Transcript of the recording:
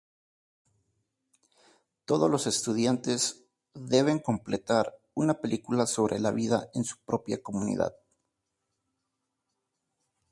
Todos los estudiantes deben completar una película sobre la vida en su propia comunidad.